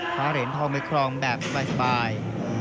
เหรียญทองไปครองแบบสบาย